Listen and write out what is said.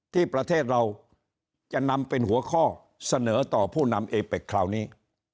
ที่ประเทศเราจะนำเป็นหัวข้อเสนอต่อผู้นำเอเป็กคราวนี้